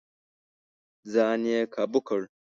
ځان يې کابو کړ.